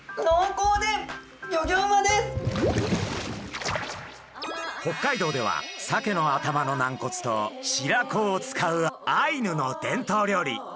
のうこうで北海道ではサケの頭の軟骨と白子を使うアイヌの伝統料理